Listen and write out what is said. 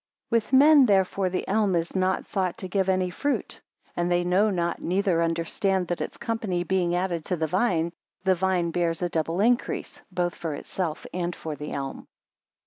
10 With men, therefore, the elm is not thought to give any fruit; and they know not, neither understand that its company being added to the vine, the vine bears a double increase, both for itself and for the elm.